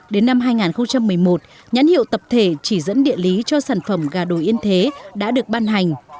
đến năm hai nghìn một mươi một nhãn hiệu tập thể chỉ dẫn địa lý cho sản phẩm gà đồ yên thế đã được ban hành